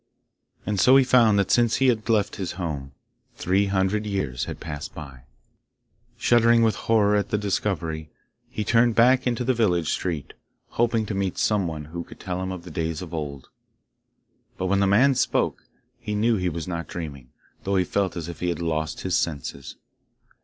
And so he found that since he had deft his home, three hundred years had passed by. Shuddering with horror at his discovery he turned back into the village street, hoping to meet some one who could tell him of the days of old. But when the man spoke, he knew he was not dreaming, though he felt as if he had lost his senses.